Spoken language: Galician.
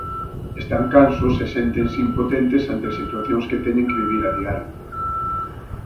Están cansos e séntense impotentes ante as situacións que teñen que vivir a diario.